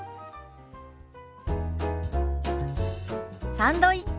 「サンドイッチ」。